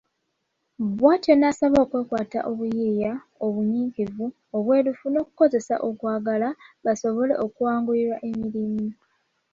Bw'atyo n'abasaba okwekwata obuyiiya, obunyikivu, obwerufu n'okukozesa okwagala, basobole okwanguyirwa emirimu.